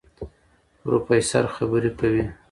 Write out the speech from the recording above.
پروفېسر خبرې کوي.